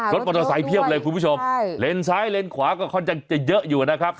รถมอเตอร์ไซค์เพียบเลยคุณผู้ชมเลนซ้ายเลนขวาก็ค่อนข้างจะเยอะอยู่นะครับ